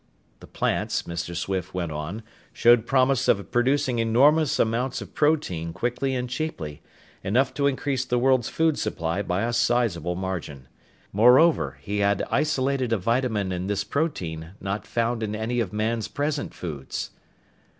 The plants, Mr. Swift went on, showed promise of producing enormous amounts of protein quickly and cheaply enough to increase the world's food supply by a sizable margin. Moreover, he had isolated a vitamin in this protein not found in any of man's present foods.